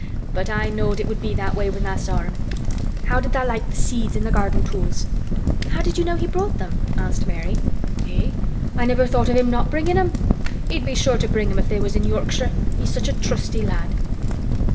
"But I knowed it would be that way when tha' saw him. How did tha' like th' seeds an' th' garden tools?" "How did you know he brought them?" asked Mary. "Eh! I never thought of him not bringin' 'em. He'd be sure to bring 'em if they was in Yorkshire. He's such a trusty lad."